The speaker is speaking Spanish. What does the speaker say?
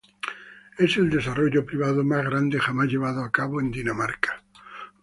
Es el desarrollo privado más grande jamás llevado a cabo en Dinamarca.